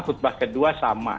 khutbah kedua sama